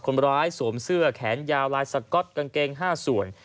คนร้ายสวมเสื้อแขนยาวลายสก๊อตกางเกง๕ส่วน